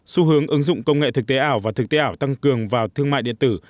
xu hướng ứng dụng công nghệ thực tế ảo và thực tế ảo tăng cường vào thương mại điện tử